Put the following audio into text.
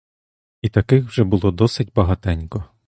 І таких було вже досить багатенько.